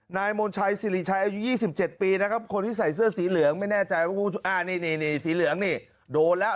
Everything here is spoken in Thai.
นายมณชัยสิริชัยอายุยี่สิบเจ็ดปีนะครับคนที่ใส่เสื้อสีเหลืองไม่แน่ใจว่านซิเลยเหลืองไงโดนแล้ว